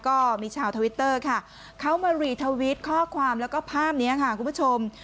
ก็มีชาวทวิตเตอร์ค่ะเขามารีทวิตข้อความแล้วก็ภาพนี้ค่ะคุณผู้ชม